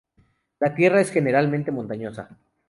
La tierra es generalmente montañosa.